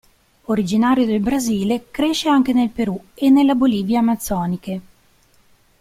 Originario del Brasile, cresce anche nel Perù e nella Bolivia amazzoniche.